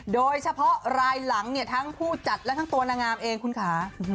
โดยเฉพาะรายหลังเนี่ยทั้งผู้จัดและทั้งตัวนางงามเองคุณค่ะ